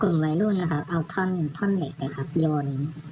กลุ่มวัยรุ่นนะครับเอาท่อนเหล็กโยน